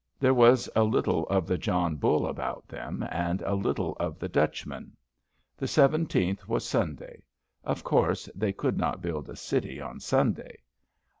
There was a little of the John Bull about them and a little of the Dutchman. The seventeenth was Sunday. Of course they could not build a city on Sunday.